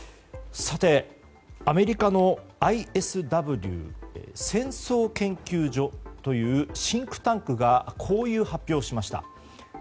アメリカのＩＳＷ・戦争研究所というシンクタンクがこういう発表をしました。